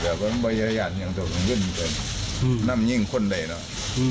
เหมือนบริญญาณยังถูกขึ้นขึ้นเกินนั่นมียิ่งคนใดเนอะ